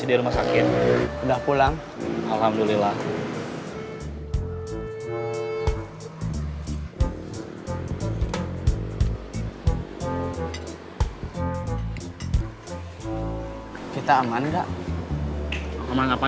ini lagi nunggu ewan beresin mandi